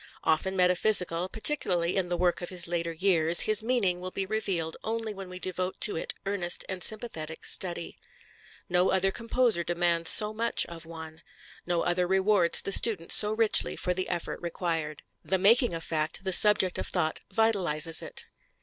Often metaphysical, particularly in the work of his later years, his meaning will be revealed only when we devote to it earnest and sympathetic study. No other composer demands so much of one; no other rewards the student so richly for the effort required. The making a fact the subject of thought vitalizes it.